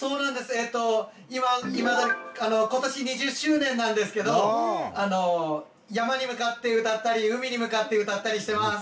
えと今今年２０周年なんですけど山に向かって歌ったり海に向かって歌ったりしてます。